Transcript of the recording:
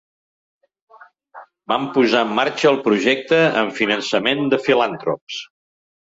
Vam posar en marxa el projecte amb finançament de filantrops.